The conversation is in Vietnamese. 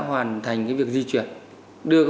hoàn thành việc di chuyển đưa